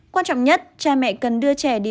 quan trọng nhất cha mẹ cần đưa trẻ đi